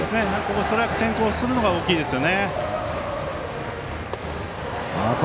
ストライク先行するのが大きいですよね。